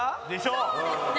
そうですね。